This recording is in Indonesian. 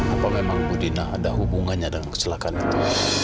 apa memang budina ada hubungannya dengan kecelakaan itu